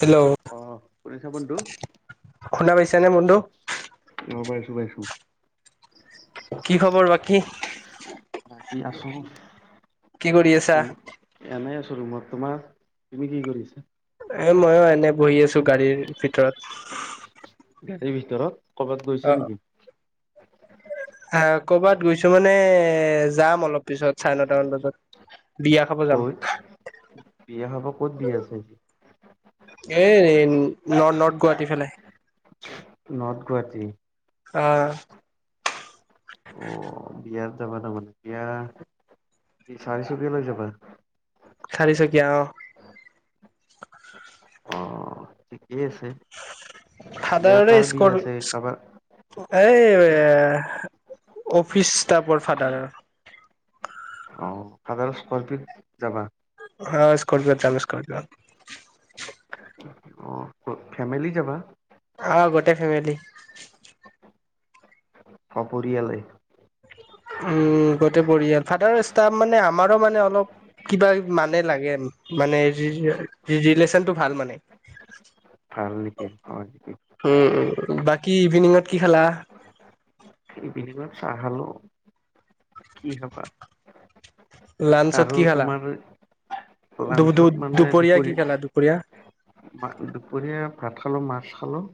Hello অ শুনিছা বন্ধু? খুন্দ বাইছ তেনে মুধু অ পাইছো বাইছো কি খবৰ বাকী বাকী আছো কি কৰি আছা? ত এনেই আছো ৰুমত তোমাৰ তুমি কি কৰিছা এ ময়ো এনে বহি আছো গাড়ীৰ ভিতৰত গাড়ীৰ ভিতৰত কৰ'বাত অ গৈছো নেকি আহ কৰ'বাত গৈছো মানে যাম অলপ পিছত চাৰে নটামান বজাত বিয়া খাব যাম। কত বিয়া হব ক'ত বিয়া আছেি এ নৰ্থ গুৱাহাটী ফালে নৰ্থ গুৱাহাটী আহ ইয়াত যাবা ন মান চাৰিছো কে লৈ যাবা চাৰি চকীয়া অ, ঠিক। এই আছে বিয়া ফাদাৰৰে কাৰ স্কৰ বিয়া আছে কাৰবাৰ। এই অফিচ ষ্টাফৰ ফাদাৰ, ফাদাৰ স্কপিঅ'ত যাবা। চলিছ ক [unintelligible] অ ফেমিলি যাবা। অ' গোটেই ফোমিলি। সপৰিয়ালে। উম গোটেই পৰিয়াল, ফাদাৰ ষ্টাফ মানে আমাৰো মানে অলপ কিবা মানে লাগে মানে ৰিলেচনটো ভাল মানে। প [unintelligible] উম', উ', বাকী ইভিনিঙত কি খালা? ইভিনিঙত চাহ খালো, কি খাবা। লাঞ্চত আৰু কি খালা তোমাৰ দু দু লাঞ্চত মানে, দুপৰীয়া কি খালা দুপৰীয়া, দুপৰীয়া। ভাত খালোঁ, মাছ খালোঁ,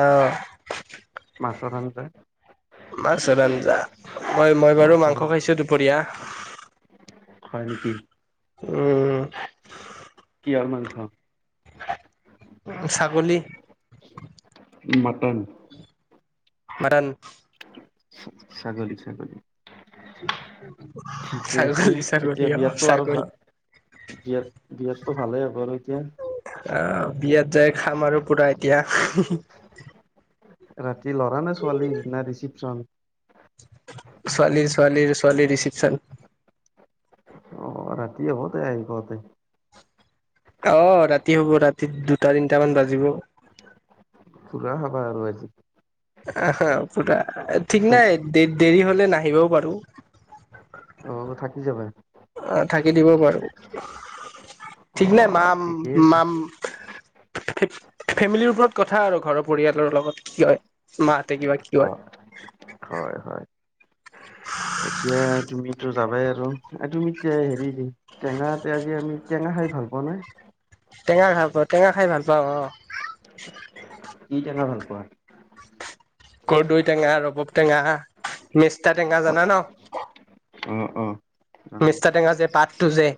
অ'। মাছৰ ধান যায়। মাছৰ আজ্ঞা। ম মই বাৰু মাছৰ মাংস আঞ্জা খাইছোঁ দুপৰীয়া। হয় নেকি। উম। কি অলমানমান খা, ছাগলী, মটন। মটন। ছাগলী ছাগলী। উ। ঠিকে আছে এতিয়া অ বিয়াতটো আৰু ছাগলী ভাল বিয়াত বিয়াতটো ভালেই হ'ব আৰু এতিয়া। আহ বিয়াত যাই খাম আৰু পুৰা এতিয়া। ৰাতি ল'ৰা নে ছোৱালীৰ নে ৰিচিপচন। ছোৱালীৰ, ছোৱালীৰ ছোৱালীৰ ৰিচিপচন। অ ৰাতি হ'ব দে আহি পাওঁতে। অ', ৰাতি হ'ব ৰাতি দুটা তিনিটামান বাজিব। পুৰা খাবা আৰু আজি। আহা পুৰা ঠিক নাই দেৰি দেৰি হলে নাহিবও পাৰো। অ থাকি যাবা। অ', থাকি দিব পাৰো, অ ঠিক নাই। মাম ঠিকেই আছে মাম, ফেমিলিৰ ওপৰত কথা আৰু ঘৰৰ পৰিয়ালৰ লগত কি হয় মাহঁতে কিবা কি হয়? হয় হয় এতিয়া তুমিতো যাবাই আৰু তুমি এতিয়া হেৰি টেঙা আজি আমি টেঙা খাই ভাল পাৱ নে? টেঙা ভাল পাওঁ টেঙা খাই ভাল পাওঁ অ'। কি টেঙা ভাল পোৱা? কৰ্দৈ টেঙা, ৰবব টেঙা, মেষ্টা টেঙা, জানা ন? অ অ জানো মিষ্টা টেঙা যে পাত, তো জে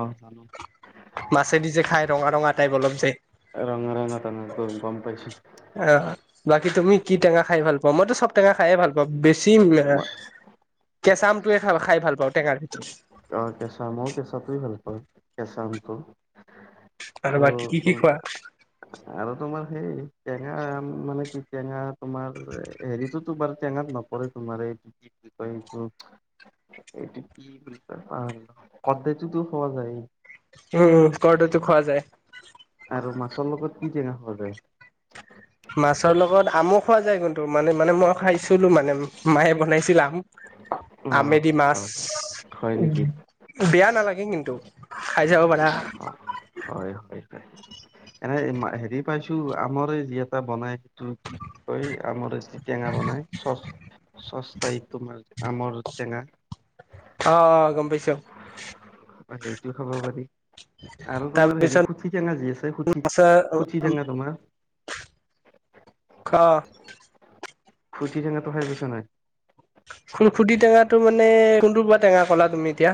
[inaudible] মাছেদি যে খাই ৰঙা ৰঙা টাইপ অলপ যে ৰঙা ৰঙা টেঙা গম পাইছো। আহ বাকী তুমি কি টেঙা খাই ভাল পোৱা? মইতো চব টেঙা খাইে ভাল পাওঁ, বেছি মই কেঁচা আমটোয়ে খাই ভাল পাওঁ টেঙাৰ ভিতৰত। অ' কেঁচা আম‌। ময়ো কেঁচাআমটোয়ে ভাল পাওঁ কেঁচা আমটো। আৰু বাকী কি কি তম খোৱা আৰু তোমাৰ হেই টেঙা মানে কি টেঙা তোমাৰ হেৰিটোতো বাৰু টেঙাত নপৰে তোমাৰ এইটো কি বুলি কয় এইটো এইটো কি বুলি কয়? আৰু [unintelligible] খোৱাা যায়। উম উ কৰ্দৈটো খোৱা যায়। আৰু মাছৰ লগত কি টেঙা খোৱা যায়? মাছৰ লগত আমো খোৱা যায় কিন্তু, মানে মানে, মই খাইছিলো মানে, মায়ে বনাইছিল আম অ আমেদি মাছ। হয় হয় উ নেকি বেয়া নালাগে কিন্তু, খাই চাব পাৰা। অ হয় এনে হেৰি পাইছো আমৰে যি এটা বনাই সেইটো কি বুলি কয় আমৰে যি টেঙা বনাই চচ চচাই তোমাৰ আমৰ টেঙা। আহ গম‌ পাইছো। সেইটো খাব পাৰি আৰু তোমাৰ হেৰি তাৰপিছত খুঠি টেঙা যি আছে মাছ খুঠি টেঙা তোমাৰ অ'। খুঠি টৈঙাটো খাই পাইছ নাই? খু খুঠি টেঙাটো মানে কোনটো বা টেঙা কলা তুমি এতিয়া?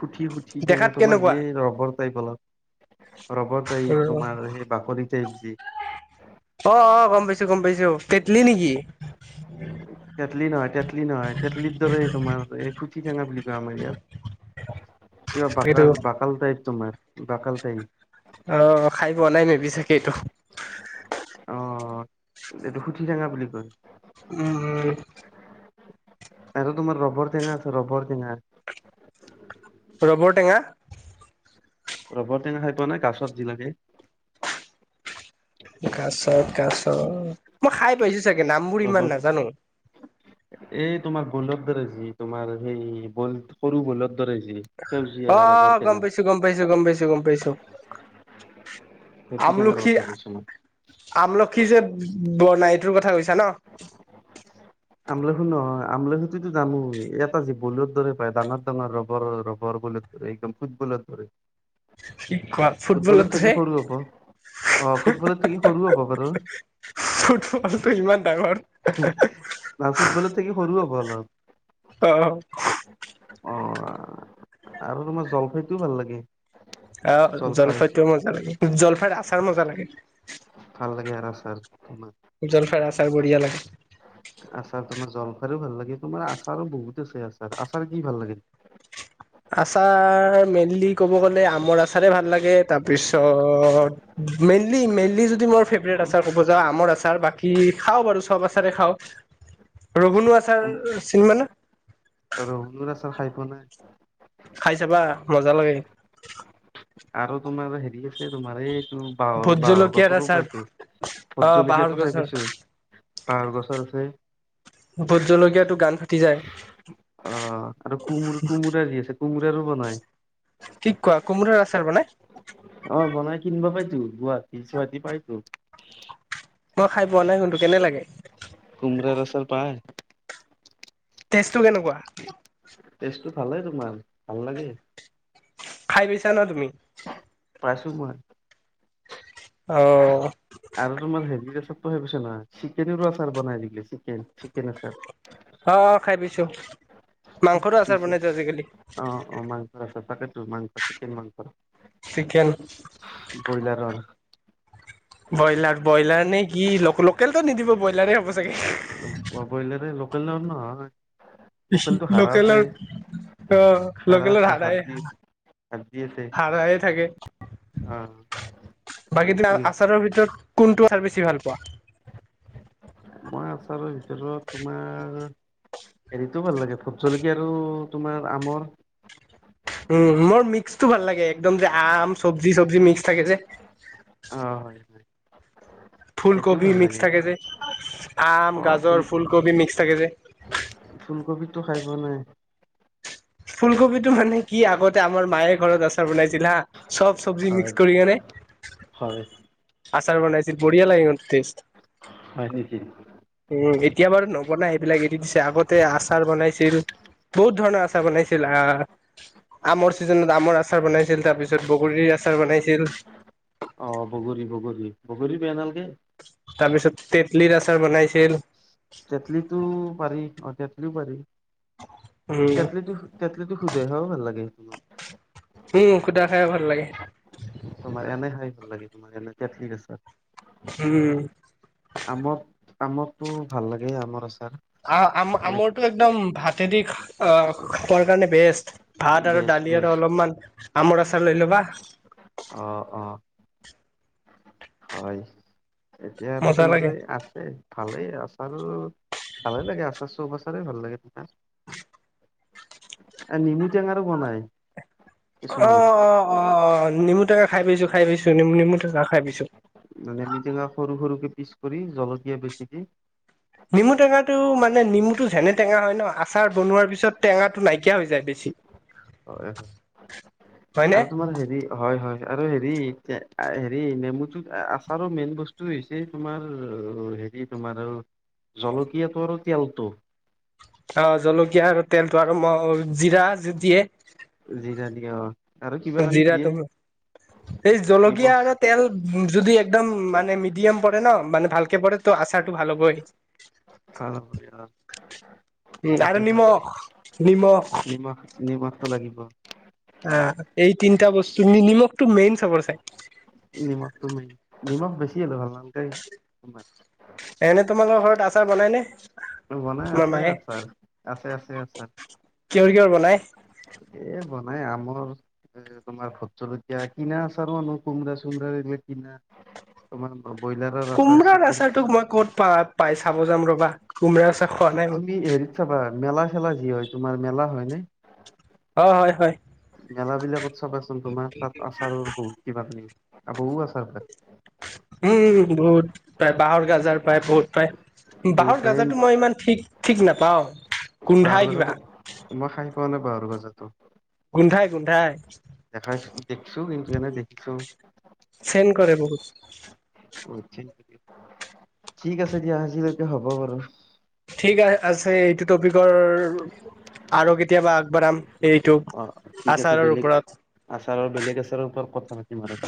সুঠি সুঠি টেঙা দেখাত তোমাৰ কেনেকুৱা যিয়ে ৰবৰ টাইপ অলপ ৰবৰ টাইপ তোমাৰ সেই বাকলিত [unintelligible] অ' অ' গম পাইছো গম পাইছো। তেটেলি নেকি? তেতছলি নহয় তেতেলি নহয়। তেতেলিৰ দৰে তোমাৰ এই কি টেঙা বুলি কৈ আমাৰ ইয়াত? কিব এইটো বকাল বকাল তাইপ তমাৰ দাকাল তাই অ' খাই পোৱা নাই নে? ভাবি চাকেই এইটো অ এইটো সুঠি টৈঙা বুলি কয়। উম উ আৰু তোমাৰ ৰবৰ টেঙা আছে ৰবৰ টেঙা আ ৰবৰ টেঙা? ৰবৰ টঙা খাই পোৱা নাই গছত যি লাগে? কাছ, কাছ। মই খাই পাইছোঁ চাগে নামবোৰ ইমান ৰবৰ নাজানো এই তোমাৰ বলত দৰ্জী, তোমাৰ সেই, সৰু বলত অ', গম পাইছোঁ, গম পাইছোঁ, গম পাইছোঁ, গম পাইছোঁ। ভেটি টেঙাৰ আমলখি, কথা কৈছো মই আমলখি যে বৰ্ণাইটোৰ কথা কৈছা ন'? আমলখু নহয় আমলখুটোতো জানো এটা যে বলত দৰে পায় ডাঙাৰ, ডাঙাৰ ৰবৰৰ ৰবৰ বলত দৰে একদম ফুটবলৰ দৰে। কি কোৱা ফুটবলত থাকি হে সৰু হ'ব অ ফুটবলত থাকি সৰু হ'ব বাৰু ফুটবলটো ইমান ডাঙৰ। বা ফুটবলত থাকি সৰু হ'ব অ অলপ। অ আৰু তোমাৰ জলফাইটোও ভাল লাগে। আহ জলফাই জলফাইতটো মজা লাগে জলফাইৰ আছা। তাৰ মজা লাগে। কাল লাগে আৰাচাল। উজ্বল ফেৰা আচাৰ বঢ়িয়া লাগে। আচাৰ তোমাৰ জলফাইও ভাল লাগে, তোমাৰ আচাৰো বহুত আছে। আচাৰ, আচাৰ কি ভাল লাগে। আচাৰ মেইনলি কব গলে আমৰ আচাৰে ভাল লাগে তাৰপিছত মেইনলি, মেইনলি যদি মই ফেভৰেট আচাৰ কব যাওঁ আমৰ আচাৰ বাকী খাওঁ বাৰু চব আচাৰে খাওঁ। ৰঘুনু আচাৰ তুম চিনি পা নে। মোৰ আচাৰ খাই পোৱা নাই। খাই চাবা মজা লাগে। আৰু তোমাৰ হেৰি আছে তোমাৰ এই। বাঁহৰ, ভোট বাঁহৰ জলকীয়াৰ গছৰো আচাৰ পাইছো, ভুট অ বাঁহৰ জলকীয়াটো খাই গছৰ পাইছো। বাঁহৰ গছৰ আছে। ভুট জলকীয়াটো গান ফাটি যায়। অ আৰু কোমো কোমোৰা যি আছে। কোমোৰাৰো বনায়। কি কোৱা কোমোৰাৰ আচাৰ বনায়। অ বনাই কিনিব পাইতো গুৱাহাটী। তিছোৱাদি পাইছো। মই খাই পোৱা নাই কুন্তু কেনে লাগে? কোমৰাৰ আচাৰ পায়। তেজটো কেনেকুৱা? তেজটো ভালে তোমাৰ ভাল লাগে। খাই পাইছা নহ তুমি? পাইছো মই। অ আৰু তোমাৰ হেৰি চব। পিছে নাই চিকেনোৰো আচাৰ বনাই দিলে চিকেন, চিকেন আচাৰ। অ অ খাই পাইছো। মাংসৰো আচাৰ বনাইতো আজিকালি অ অ মাংসৰ আচাৰ। তাকে টো মাংস, চিকেন মাংস। চিকেন ব্ৰইলাৰৰ বইলাৰ, বইলাৰ নে কি লোক লোকেলটো নিদিব বইলাৰে হব চাগে। ব বই বইলাৰে ল'হ। কল নহয়। লোকেলটো হাৰা আছে লোকেলৰ অ হাৰা লোকেলৰ আছে হাড্ডি হাৰাৱেই, হাড্ডি আছে হাৰাৱে থাকে। অ বাকী এই কি আচাৰৰ ভিতৰত। কোনটো খাই বেছি ভাল পোৱা? মই আছাৰৰ ভিতৰত তোমাৰ হেৰিটো ভাল লাগে ভুট জলকীয়া আৰু তোমাৰ আমৰ। উম, মোৰ মিক্সটো ভাল লাগে একদম যে আম চব্জি চব্জি মিক্স থাকে যে। অ' হয়, হয়। সেইটোও ফুলকবি ভাল মিক্স লাগে থাকে যে, আম অ ফুল গাজৰ ফুলকবি মিক্স থাকে যে। ফুলকবিটো খাই পোৱা নাই ফুলকবিটো মানে কি আগতে আমাৰ মায়ে ঘৰত আচাৰ বনাইছিল হা। চব চব্জি হয় মিক্স কৰি কেনে হয় আচাৰ। বনাইছিল বঢ়িয়া লাগে টেষ্ট। হয় নেকি? উম, এতিয়া বাৰু নবনাই সেইবিলাক এৰি দিছে আগতে আচাৰ বনাইছিল বহুত ধৰণৰ আচাৰ বনাইছিল। আমৰ চিজনত আমৰ আচাৰ বনাইছিল তাৰপিছত বগৰীৰ আচাৰ বনাইছিল। অ' বগৰী, বগৰী, বগৰী বেয়া নালগে। তাৰপিছত। তেতলিৰ আচাৰ বনাইছিল। তেতলিতটো পাৰি অ' তেত তেতলিও পাৰি। উম তেতলিটো, তেতলিটো সুধাই খাইও ভাল লাগে। খাইও ভাল লাগে। তোমাৰ এনে খাই ভাল লাগে। মই তেতলিৰ আছাৰ। উম। আমৰতো ভাল লাগে আমৰ আছাৰ। আ' আম আমৰটো একদম ভাতেদি আ' খোৱাৰ কাৰণে বেষ্ট ভাত আৰু বেচ দালি বেচ আৰু অলপমান। আমৰ আচাৰ লৈ ল'বা। অ', অ'। হয়। এতিয়া আৰু মজা তোমাৰ লাগে এই আছে ভালে আছে। [unintelligible] ভালে লাগে আচাৰ চব। খাই ভাল লাগে তেঙা। এ নেমু টেঙাৰো বনায়। অ', অ', অ' নেমু টেঙা খাই পাইছো খাই পাইছো নেমু। টেঙা খাই পাইছো। মানে নেমুটেঙা সৰু সৰুকে পিচ কৰি জলকীয়া বেছি দি। নেমু টেঙাটো মানে নেমুটো যেনে টেঙা হয় ন আচাৰ বনোৱাৰ পিছত টেঙাটো নাইকিয়া হৈ যায় বেছি। হয়, হয়নে আৰু তোমাৰ হেৰি হয় হয়। আৰু হেৰি হেৰি নেমুটোত আচাৰো মেইন বস্তু হৈছে তোমাৰ হেৰি তোমাৰ জলকীয়াটো আৰু তেলটো। অ' জলকীয়া আৰু তেলটো আৰু জিৰা যে দিয়ে। যি দাদিয় অ আৰু কিবা কানি জিৰা দিয়ে ত এই জলকীয়া নিমখ আৰু তেল যদি একদম মানে ম এম পৰে ন মানে ভালকে পৰে ত আচাৰটো ভাল হ'বই ভাল হয় অ উম আৰু সেইটো ভাল নিমখ হয় নিমখ নিমখ নিমখটো লাগিব আহ এই তিনিটা বস্তু নিমখটো মেইন চাবৰ চাই নিমখটো মেইন নিমখ বেছি ভাল নাল তাইমাৰ এনে তোমালোকৰ ঘৰত আচাৰ বনাই নে বনাই তোমাৰ আছে মায়ে আ ছাৰ আছে আছে আ ছাৰ মানে এ বনাই আমৰ এ তোমাৰ ভট জলকীয়া কিনা আচাৰ মানুহ কোমৰা চোমৰাাৰ এইবিলাক কিনা তমান কোমোৰাৰ আচাৰ তোক মই ক'ত পা পাই চাব যাম ৰবা কোমৰা চাহ খোৱা নাই মান তুমি হেৰিত চাবা মেলা চেলা যি হয় তোমাৰ মেলা হয় নে অ হয় হয় মেলা বিলাকত চাবাচোন তোমাৰ তাত আচাৰৰ বহুত কিবা ল আপ আছোৰ উম বহুত পায় বাঁহৰ গাজাৰ পায় বহুত পায় বহুত বাঁাহৰ গাজৰটো মই ইমান ঠিক ঠিক নাপাওঁ বাহ গছাতো মই খাই পোৱা নাই বাহু গজতো গোন্ধাই গোন্ধাই দেখাইছো দেখছো কিন্তু এনে দেখিছো চেন কৰে বহুত ঠিক আছে দিয়া আজিলৈকে হ'ব বাৰু ঠিক আ আছে এইটো টপিকৰ আৰু কেতিয়াবা আগবাঢ়াম অ ঠিক আছে বেলেগ আচাৰৰ বেলেগ আচাৰৰ ওপৰত কথা পাতিম আৰু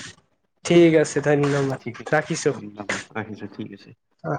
ঠিক আছে ধন্যবাদ ঠিক ৰাখিছোঁ ৰাখিছো ঠিক আছে অহ।